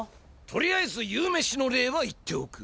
とりあえず夕めしの礼は言っておく。